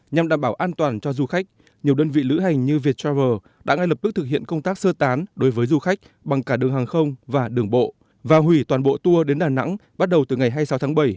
nhằm đảm bảo an toàn cho du khách nhiều đơn vị lữ hành như viettravel đã ngay lập tức thực hiện công tác sơ tán đối với du khách bằng cả đường hàng không và đường bộ và hủy toàn bộ tour đến đà nẵng bắt đầu từ ngày hai mươi sáu tháng bảy